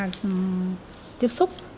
trở qua tiếp xúc